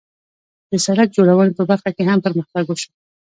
د سړک جوړونې په برخه کې هم پرمختګ وشو.